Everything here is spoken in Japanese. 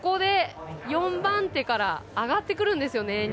４番手から上がってくるんですよね